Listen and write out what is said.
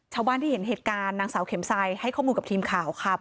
ชาวบ้านที่เห็นเหตุการณ์นางสาวเข็มไซดให้ข้อมูลกับทีมข่าวค่ะ